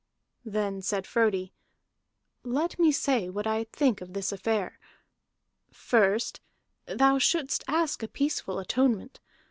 Then said Frodi: "Let me say what I think of this affair. First thou shouldst ask a peaceful atonement.